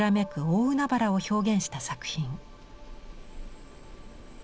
大海原を表現した作品。